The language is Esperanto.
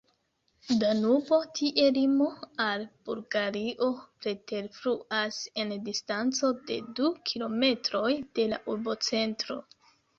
Danubo, tie limo al Bulgario, preterfluas en distanco de du kilometroj de la urbocentro.